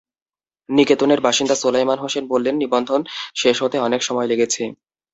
নিকেতনের বাসিন্দা সোলায়মান হোসেন বললেন, নিবন্ধন শেষ হতে অনেক সময় লেগেছে।